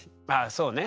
そうね。